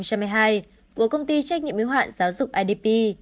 của công ty trách nhiệm yếu hạn giáo dục idp